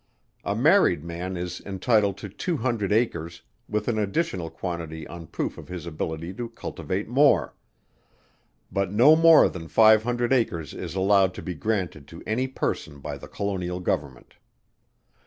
A married man is entitled to two hundred acres, with an additional quantity on proof of his ability to cultivate more: but no more than five hundred acres is allowed to be granted to any person by the Colonial Government.